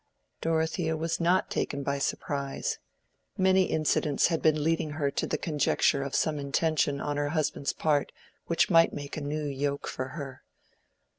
Dorothea was not taken by surprise: many incidents had been leading her to the conjecture of some intention on her husband's part which might make a new yoke for her.